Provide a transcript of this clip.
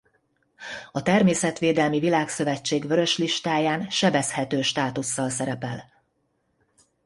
A Természetvédelmi Világszövetség Vörös listáján sebezhető státusszal szerepel.